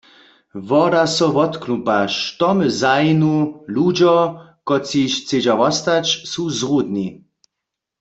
Woda so wotklumpa, štomy zahinu, ludźo, kotřiž chcedźa wostać, su zrudni.